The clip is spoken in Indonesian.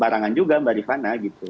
barangan juga mbak riefana gitu